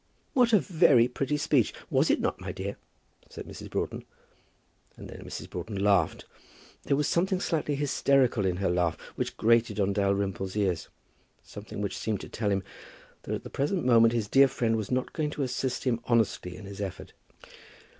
"What a very pretty speech! Was it not, my dear?" said Mrs. Broughton. And then Mrs. Broughton laughed. There was something slightly hysterical in her laugh which grated on Dalrymple's ears, something which seemed to tell him that at the present moment his dear friend was not going to assist him honestly in his effort.